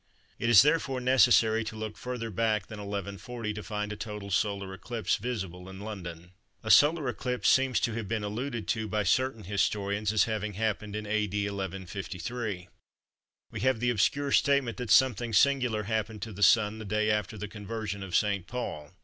It is therefore necessary to look further back than 1140 to find a total solar eclipse visible in London. A solar eclipse seems to have been alluded to by certain historians as having happened in A.D. 1153. We have the obscure statement that "something singular happened to the Sun the day after the Conversion of St. Paul."